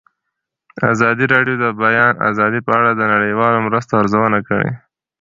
ازادي راډیو د د بیان آزادي په اړه د نړیوالو مرستو ارزونه کړې.